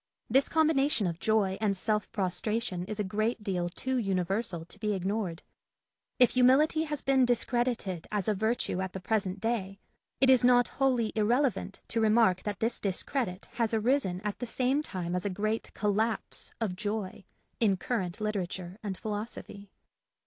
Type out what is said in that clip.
This combination of joy and self prostration is a great deal too universal to be ignored. If humility has been discredited as a virtue at the present day, it is not wholly irrelevant to remark that this discredit has arisen at the same time as a great collapse of joy in current literature and philosophy.